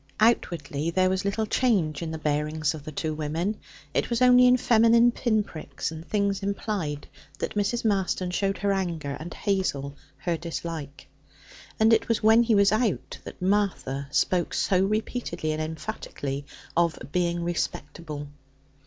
Outwardly there was little change in the bearings of the two women; it was only in feminine pinpricks and things implied that Mrs. Marston showed her anger and Hazel her dislike, and it was when he was out that Martha spoke so repeatedly and emphatically of being respectable.